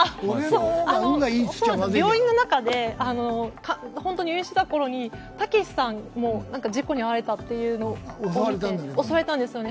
病院の中で、入院していた頃にたけしさんも事故に遭われたというのを見て、襲われたんですよね？